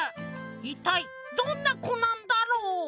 いったいどんなこなんだろう？